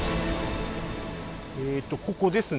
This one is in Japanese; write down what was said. えとここですね。